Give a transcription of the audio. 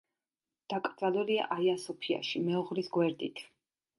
დაკრძალულია აია-სოფიაში მეუღლის გვერდით.